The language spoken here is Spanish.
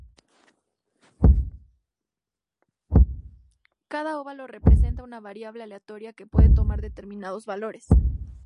Cada óvalo representa una variable aleatoria que puede tomar determinados valores.